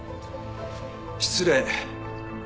失礼。